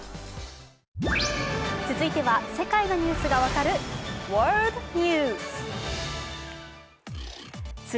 続いては世界のニュースが分かるワールドニュース。